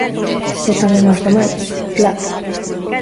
E tamén aos demais, claro.